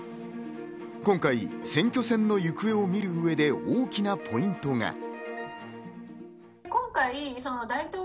今回、選挙戦の行方を見る上で大きなポイントが。